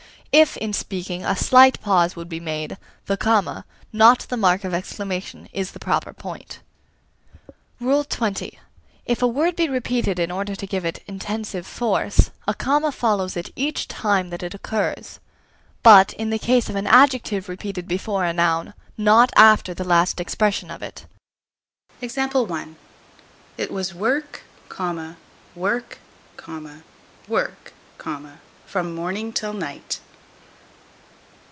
If, in speaking, a slight pause would be made, the comma, not the mark of exclamation, is the proper point. XX. If a word be repeated in order to give it intensive force, a comma follows it each time that it occurs; but, in the case of an adjective repeated before a noun, not after the last expression of it. It was work, work, work, from morning till night.